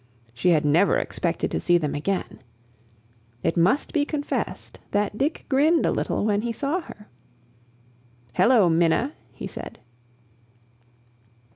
She had never expected to see them again. It must be confessed that Dick grinned a little when he saw her. "Hello, Minna!" he said.